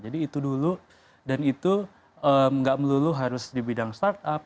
jadi itu dulu dan itu nggak melulu harus di bidang start up